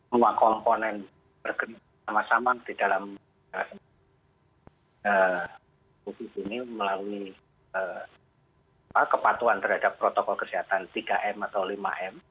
semua komponen bergerak sama sama di dalam covid ini melalui kepatuhan terhadap protokol kesehatan tiga m atau lima m